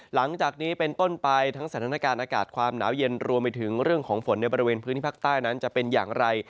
หลังจากนี้เป็นต้นไปทั้งสถานการณ์อากาศความหนาวเย็นรวมไปถึงเรื่องของฝนในบริเวณพื้นที่ภาคใต้นั้นจะเป็นอย่างไร